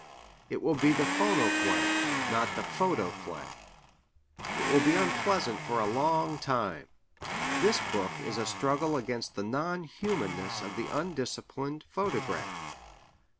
It will be the phonoplay, not the photoplay. It will be unpleasant for a long time. This book is a struggle against the non humanness of the undisciplined photograph.